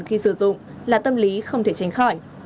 khi sử dụng là tâm lý không thể tránh khỏi